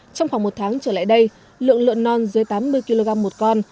trong khoảng một tháng trở lại đây lượng lợn non dưới tám mươi kg một con